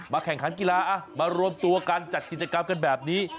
แข่งขันกีฬามารวมตัวกันจัดกิจกรรมกันแบบนี้